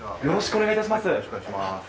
よろしくお願いします。